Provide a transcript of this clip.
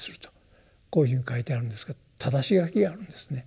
こういうふうに書いてあるんですけどただし書きがあるんですね。